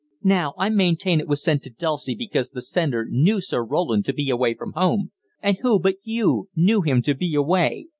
Now, I maintain it was sent to Dulcie because the sender knew Sir Roland to be away from home and who, but you, knew him to be away?